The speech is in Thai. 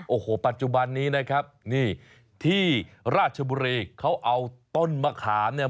โอ้โหปัจจุบันนี้นะครับนี่ที่ราชบุรีเขาเอาต้นมะขามเนี่ย